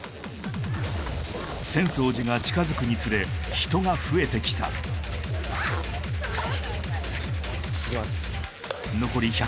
浅草寺が近づくにつれ人が増えてきた行きます